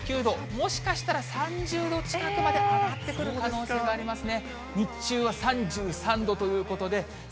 もしかしたら３０度ちょっとまで上がってくる可能性がありますね。